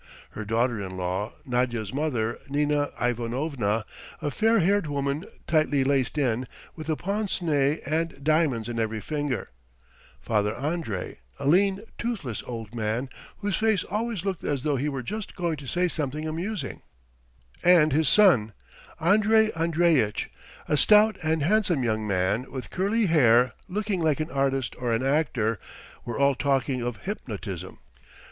Her daughter in law, Nadya's mother, Nina Ivanovna, a fair haired woman tightly laced in, with a pince nez, and diamonds on every finger, Father Andrey, a lean, toothless old man whose face always looked as though he were just going to say something amusing, and his son, Andrey Andreitch, a stout and handsome young man with curly hair looking like an artist or an actor, were all talking of hypnotism.